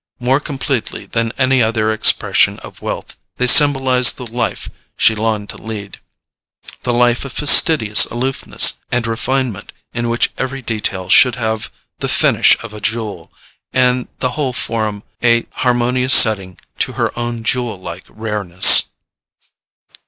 More completely than any other expression of wealth they symbolized the life she longed to lead, the life of fastidious aloofness and refinement in which every detail should have the finish of a jewel, and the whole form a harmonious setting to her own jewel like rareness.